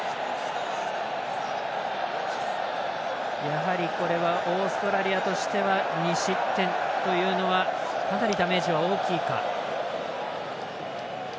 やはり、これはオーストラリアとしては２失点というのはかなりダメージは大きいか。